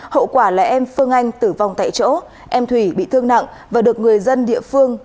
hậu quả là em phương anh tử vong tại chỗ em thủy bị thương nặng và được người dân địa phương